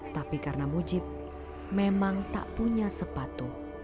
tapi karena mujib memang tak punya sepatu